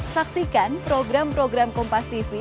saksikan program program kompas tv